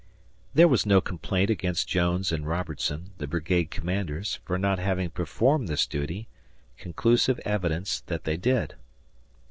There was no complaint against Jones and Robertson, the brigade commanders, for not having performed this duty conclusive evidence that they did.